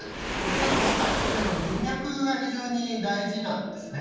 ただ、今回文脈が非常に大事なんですね。